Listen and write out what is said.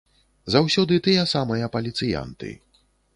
Заўсёды тыя самыя паліцыянты.